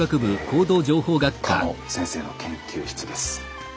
狩野先生の研究室です。